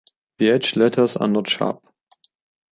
The edge letters are not sharp.